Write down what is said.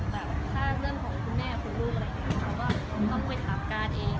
แบบถ้าเรื่องของคุณแม่คุณลูกอะไรอย่างนี้เราก็ต้องไปถามการเอง